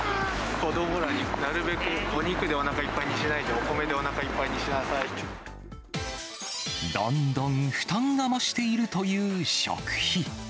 子どもらになるべく、お肉でおなかいっぱいにしないで、お米でおなかいっぱいにしなさいどんどん負担が増しているという食費。